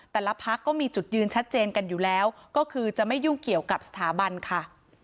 แต่ละพักก็มีจุดยืนชัดเจนกันอยู่แล้วก็คือจะไม่ยุ่งเกี่ยวกับสถาบันค่ะ